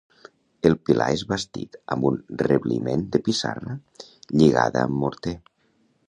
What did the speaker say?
El pilar és bastit amb un rebliment de pissarra lligada amb morter.